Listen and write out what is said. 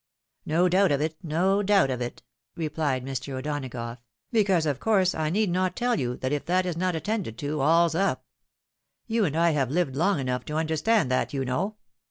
" No doubt of it, no doubt of it," replied Mr. O'Donagough, " because, of course, I need not tell you that if that is not at tended to aU's up. You and I have lived long enough to under stand that, you know.